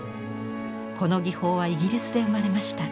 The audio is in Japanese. この技法はイギリスで生まれました。